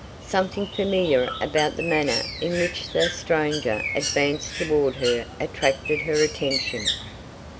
Something familiar about the manner in which the stranger advanced toward her attracted her attention.